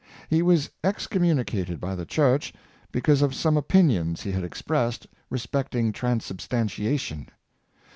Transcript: He was excommunicated by the church because of some opinions he had ex pressed respecting transubstantiation.